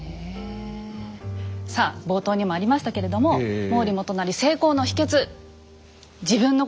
さあ冒頭にもありましたけれども毛利元就成功の秘けつ。